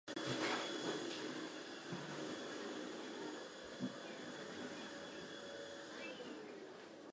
The tournament was once again held in the United States, in Miami and Pasadena.